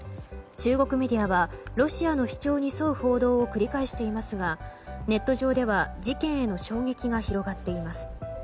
中国メディアはロシアの主張に沿う報道を繰り返していますがネット上では事件への衝撃が広がっています。